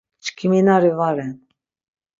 Çkiminari va ren.